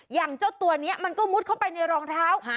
อย่างเจ้าตัวนี้มันก็มุดเข้าไปในรองเท้า